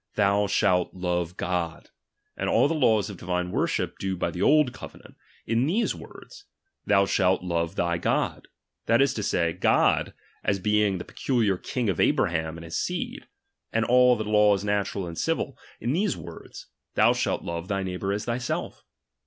Thou shalt love God ; and all the laws of divine worship due by the old covenajit, in these words. Thou shalt lorn thy God, that is to say, God, as being the pe culiar King of' Abraham and his seed : and all the laws natural and civil, in these words, Thou shalt love thy jieighbour as thyself.